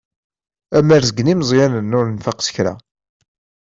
Amarezg n yimeẓẓyanen ur nfaq s kra.